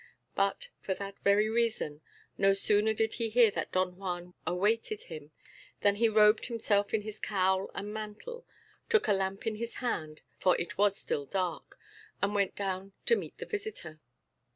But, for that very reason, no sooner did he hear that Don Juan awaited him than he robed himself in his cowl and mantle, took a lamp in his hand (for it was still dark), and went down to meet the visitor.